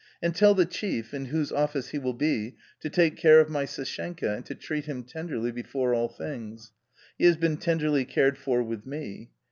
And tell the chief, in whose office he will be, to take care of my Sashenka and to treat him tenderly before all things ; he has been tenderly cared for with me.